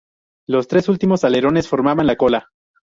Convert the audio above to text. Los tres últimos alerones formaban la cola.